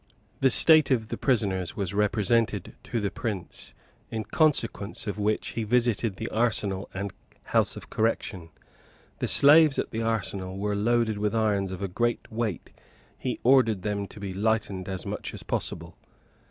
The state of the prisoners was represented to the prince, in consequence of which he visited the arsenal and House of Correction. The slaves at the arsenal were loaded with irons of a great weight; he ordered them to be lightened as much as possible.